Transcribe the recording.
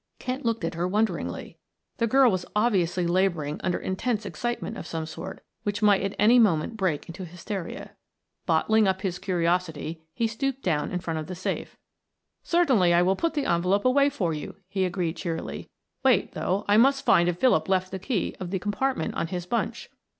Kent looked at her wonderingly; the girl was obviously laboring under intense excitement of some sort, which might at any moment break into hysteria. Bottling up his curiosity, he stooped down in front of the safe. "Certainly I will put the envelope away for you," he agreed cheerily. "Wait, though, I must find if Philip left the key of the compartment on his bunch."